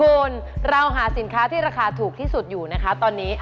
คุณเราหาสินค้าที่ราคาถูกที่สุดอยู่นะคะตอนนี้